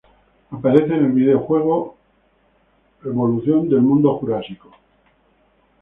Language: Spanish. Aparece en el videojuego "Jurassic World Evolution".